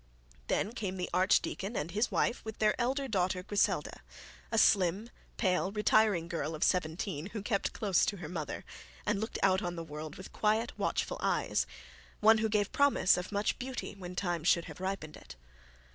Then came the archdeacon and his wife, with their elder daughter Griselda, a slim pale retiring girl of seventeen, who kept close to her mother, and looked out on the world with quiet watchful eyes, one who gave promise of much beauty when time should have ripened it.